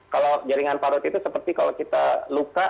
kalau jaringan parut itu seperti kalau kita luka